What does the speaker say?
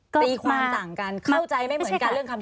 ตีความต่างกันเข้าใจไม่เหมือนกัน